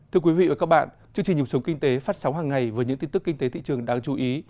thưa quý vị và các bạn chương trình nhục sống kinh tế phát sóng hàng ngày với những tin tức kinh tế thị trường đáng chú ý